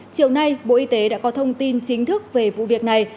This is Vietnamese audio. chiều nay bộ y tế đã có thông tin chính thức về vụ việc này